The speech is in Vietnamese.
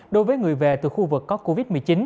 đối với người về từ khu vực có covid một mươi chín